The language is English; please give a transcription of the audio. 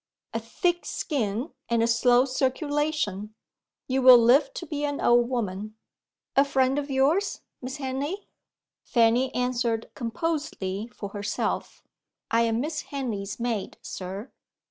A thick skin and a slow circulation; you will live to be an old woman. A friend of yours, Miss Henley?" Fanny answered composedly for herself: "I am Miss Henley's maid, sir."